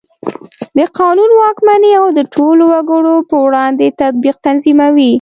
د قانون واکمني او د ټولو وګړو په وړاندې تطبیق تضمینوي.